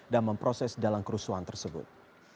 memproses dalam kerusuhan tersebut